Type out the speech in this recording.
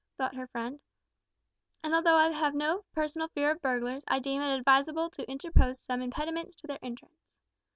thought her friend), and although I have no personal fear of burglars, I deem it advisable to interpose some impediments to their entrance."